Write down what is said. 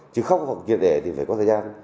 chỉ khóc vụ chuyện đẻ thì phải có thời gian